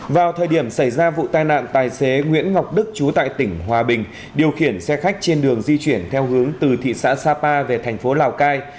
vào thời điểm xảy ra vụ tai nạn tài xế nguyễn ngọc đức chú tại tỉnh hòa bình điều khiển xe khách trên đường di chuyển theo hướng từ thị xã sapa về thành phố lào cai